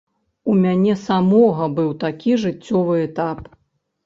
У мяне самога быў такі жыццёвы этап.